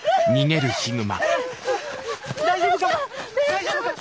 大丈夫か？